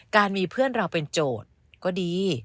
มีเพื่อนเราเป็นโจทย์ก็ดี